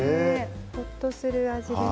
ほっとする味です。